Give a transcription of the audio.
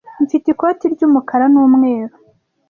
Mfite ikoti ry'umukara n'umweru.